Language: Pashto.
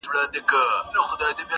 د غمي له زوره مست ګرځي نشه دی,